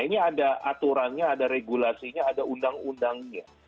ini ada aturannya ada regulasinya ada undang undangnya